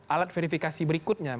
alat verifikasi berikutnya